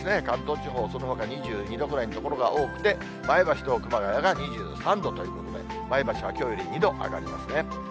関東地方、そのほか２２度ぐらいの所が多くて、前橋と熊谷が２３度ということで、前橋はきょうより２度上がりますね。